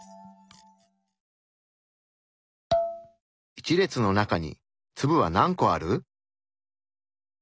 一列の中に粒は何個ある？